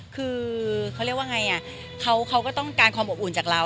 คือเขาเรียกว่าไงเขาก็ต้องการความอบอุ่นจากเรา